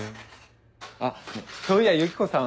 あっそういやユキコさん